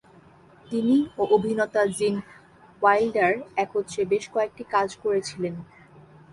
তিনি ও অভিনেতা জিন ওয়াইল্ডার একত্রে বেশ কয়েকটি কাজ করেছিলেন।